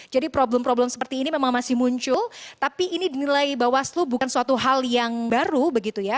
jadi problem problem seperti ini memang masih muncul tapi ini dinilai bawaslu bukan suatu hal yang baru begitu ya